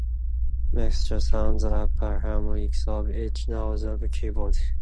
The mixture sounds the upper harmonics of each note of the keyboard.